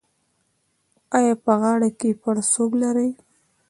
ایا په غاړه کې پړسوب لرئ؟